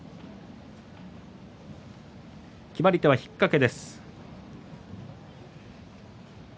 決まり手は、引っかけです。